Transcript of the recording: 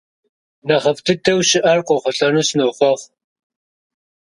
Нэхъыфӏ дыдэу щыӏэр къохъулӏэну сынохъуэхъу.